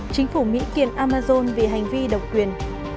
chính phủ mỹ kiệu amazon vì hành vi độc quyền